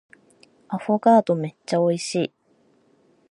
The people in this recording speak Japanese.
アフォガードめっちゃ美味しい